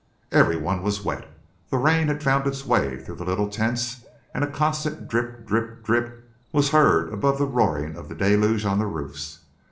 Everyone was wet. The rain had found its way through the little tents, and a constant drip, drip, drip was heard above the roaring of the deluge on the roofs.